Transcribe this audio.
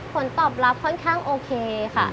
ผลตอบรับค่อนข้างโอเคค่ะ